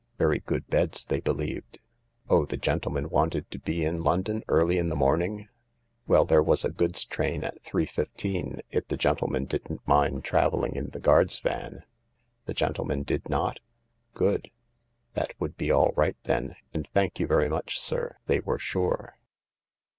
Very good beds, they believed. Oh, the gentleman wanted to be in London early in the morning ? Well, there was a goods train at 3.15, if the gentleman didn't mind travelling in the guard's van ? The gentleman did not ? Good ; that would be all right then, and thank you very much sir, they were sure.